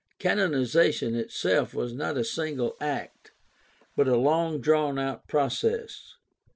Canoni zation itself was not a single act but a long drawn out process.